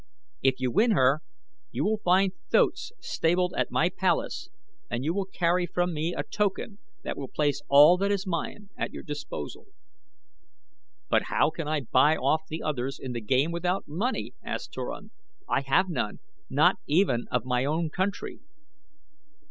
If you win her, you will find thoats stabled at my palace and you will carry from me a token that will place all that is mine at your disposal." "But how can I buy off the others in the game without money?" asked Turan. "I have none not even of my own country."